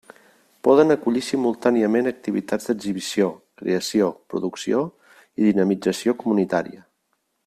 Poden acollir simultàniament activitats d'exhibició, creació, producció i dinamització comunitària.